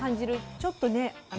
ちょっとね